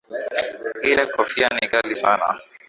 Ile kofia ni ghali sana.